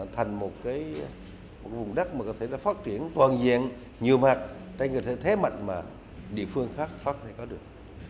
thành một vùng đất có thể phát triển toàn diện nhiều mặt trên cơ thể thế mạnh mà địa phương khác có thể có được